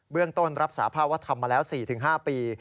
เรื่องต้นรับสาภาพว่าทำมาแล้ว๔๕ปี